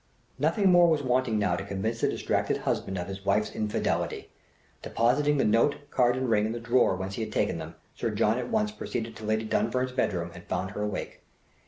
Nothing more was wanting now to convince the distracted husband of his wife's infidelity. Depositing the note, card, and ring in the drawer whence he had taken them, Sir John at once proceeded to Lady Dunfern's bedroom, and found her awake.